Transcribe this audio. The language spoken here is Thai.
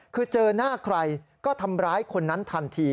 คือเจอหน้าใครก็ทำร้ายคนนั้นทันที